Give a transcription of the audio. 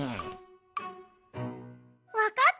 わかった！